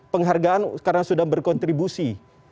penghargaan karena sudah berkontribusi